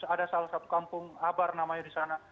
ada salah satu kampung abar namanya di sana